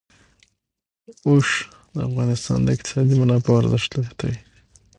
اوښ د افغانستان د اقتصادي منابعو ارزښت زیاتوي.